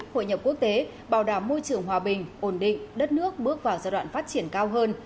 hội nhập quốc tế bảo đảm môi trường hòa bình ổn định đất nước bước vào giai đoạn phát triển cao hơn